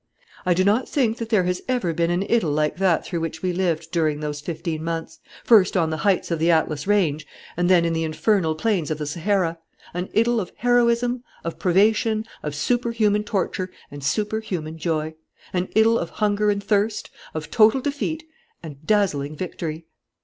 "I do not think that there has ever been an idyl like that through which we lived during those fifteen months, first on the heights of the Atlas range and then in the infernal plains of the Sahara: an idyl of heroism, of privation, of superhuman torture and superhuman joy; an idyl of hunger and thirst, of total defeat and dazzling victory....